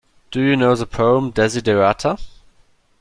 Do you know the poem Desiderata?